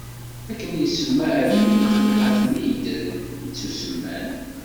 Akken i yesemma Adam i lexliqat-nni yeddren, i ttusemman.